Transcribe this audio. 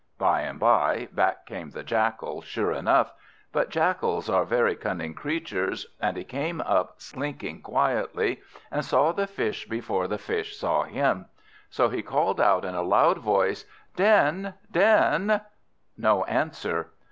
By and by back came the Jackal, sure enough; but Jackals are very cunning creatures, and he came up slinking quietly, and saw the Fish before the Fish saw him. So he called out in a loud voice, "Den, Den!" No answer.